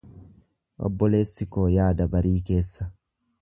Obboleessi koo yaada barii keessa.